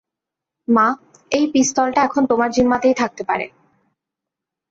মা, এই পিস্তলটা এখন তোমার জিম্মাতেই থাকতে পারে।